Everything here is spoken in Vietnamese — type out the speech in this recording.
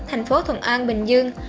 thành phố thuận an bình dương